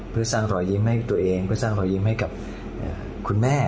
เพื่อสร้างรอยยิ้มให้ตัวเองเพื่อสร้างรอยยิ้มให้กับคุณแม่